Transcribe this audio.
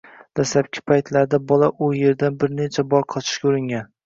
Dastlabki paytlarda bola u erdan bir necha bor qochishga uringan